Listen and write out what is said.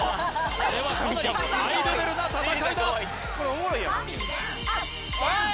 これはかなりハイレベルな戦いだ・ああ